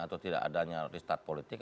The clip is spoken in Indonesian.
atau tidak adanya restart politik